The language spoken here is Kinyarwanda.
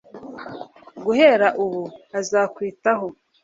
guhera ubu azakwitaho